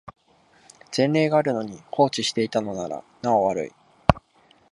前例があるのに放置していたのならなお悪い